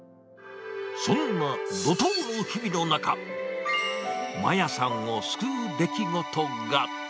そんな怒とうの日々の中、まやさんを救う出来事が。